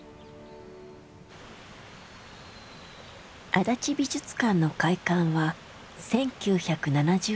足立美術館の開館は１９７０年。